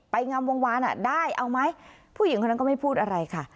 งามวงวานได้เอาไหมผู้หญิงคนนั้นก็ไม่พูดอะไรค่ะ